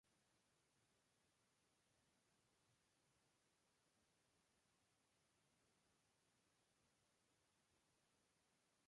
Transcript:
Dover es la sede de la "Delaware State University", y el "Wesley College".